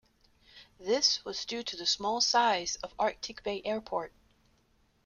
This was due to the small size of Arctic Bay Airport.